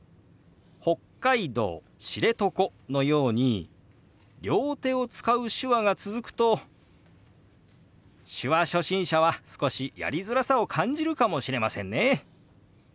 「北海道知床」のように両手を使う手話が続くと手話初心者は少しやりづらさを感じるかもしれませんね。